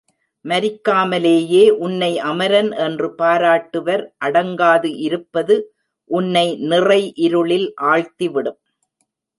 மரிக்காமலேயே உன்னை அமரன் என்று பாராட்டுவர் அடங்காது இருப்பது உன்னை நிறை இருளில் ஆழ்த்திவிடும்.